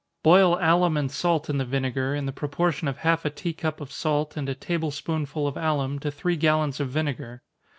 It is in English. Boil alum and salt in the vinegar, in the proportion of half a tea cup of salt, and a table spoonful of alum, to three gallons of vinegar.